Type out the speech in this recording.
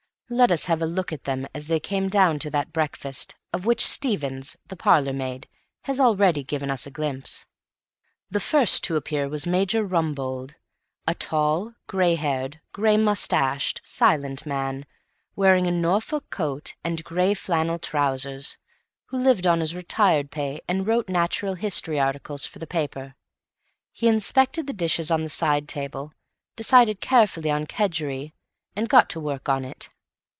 Let us have a look at them as they came down to that breakfast, of which Stevens, the parlour maid, has already given us a glimpse. The first to appear was Major Rumbold, a tall, grey haired, grey moustached, silent man, wearing a Norfolk coat and grey flannel trousers, who lived on his retired pay and wrote natural history articles for the papers. He inspected the dishes on the side table, decided carefully on kedgeree, and got to work on it.